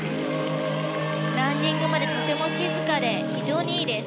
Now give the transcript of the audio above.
ランディングまでとても静かで非常にいいです。